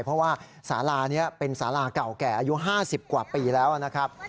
เพราะว่าสาลานี้เป็นสาราเก่าแก่อายุ๕๐กว่าปีแล้วนะครับ